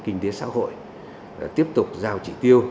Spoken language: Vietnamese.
kinh tế xã hội tiếp tục giao chỉ tiêu